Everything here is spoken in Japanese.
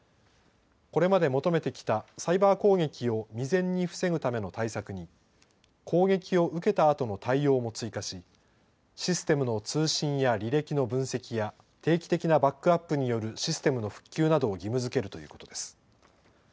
これまで求めてきたサイバー攻撃を未然に防ぐための対策に攻撃を受けたあとの対応も追加しシステムの通信や履歴の分析や定期的なバックアップによるシステムの復旧などを義務づけるということです。